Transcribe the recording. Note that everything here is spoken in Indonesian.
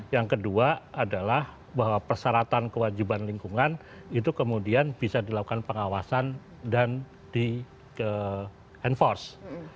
yang kedua adalah bahwa persyaratan kewajiban lingkungan itu kemudian bisa dilakukan pengawasan dan di enforce